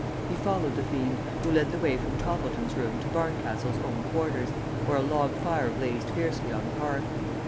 He followed the fiend, who led the way from Toppleton's room to Barncastle's own quarters, where a log fire blazed fiercely on the hearth.